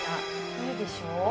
いいでしょう？